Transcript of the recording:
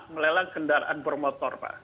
melelang kendaraan bermotor pak